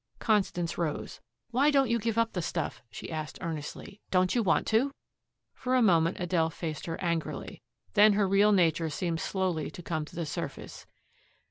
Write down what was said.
Constance rose. "Why don't you give up the stuff?" she asked earnestly. "Don't you want to?" For a moment Adele faced her angrily. Then her real nature seemed slowly to come to the surface.